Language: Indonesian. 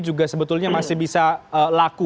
juga sebetulnya masih bisa laku